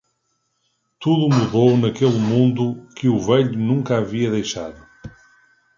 Tudo mudou naquele mundo que o velho nunca havia deixado.